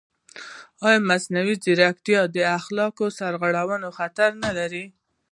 ایا مصنوعي ځیرکتیا د اخلاقي سرغړونې خطر نه لري؟